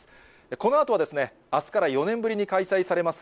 このあとは、あすから４年ぶりに開催されます